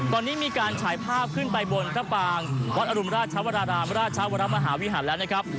ตอนนี้มีการฉายภาพขึ้นไปบนพระปางวัดอรุณราชวรารามราชวรมหาวิหารแล้วนะครับ